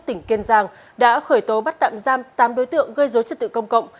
tỉnh kiên giang đã khởi tố bắt tạm giam tám đối tượng gây dối trật tự công cộng